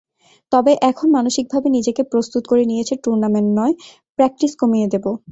তবে এখন মানসিকভাবে নিজেকে প্রস্তুত করে নিয়েছি টুর্নামেন্ট নয়, প্র্যাকটিস কমিয়ে দেব।